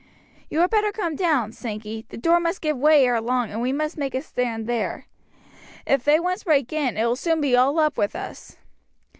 "You had better come down, Sankey. The door must give way ere long; we must make a stand there. If they once break in, it will soon be all up with us."